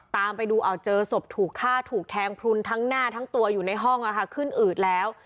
ตามไปดูเอาเจอศพถูกฆ่าถูกแทงพลุนทั้งหน้าทั้งตัวอยู่ในห้องขึ้นอืดแล้ว